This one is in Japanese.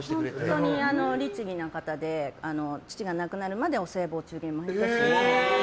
本当に律儀な方で父が亡くなるまでお歳暮やお中元を。